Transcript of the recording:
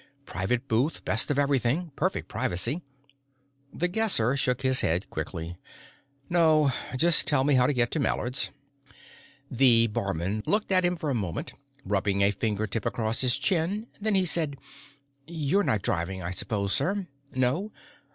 "Private booth, best of everything, perfect privacy " The Guesser shook his head quickly. "No. Just tell me how to get to Mallard's." The barman looked at him for a moment, rubbing a fingertip across his chin, then he said: "You're not driving, I suppose, sir? No?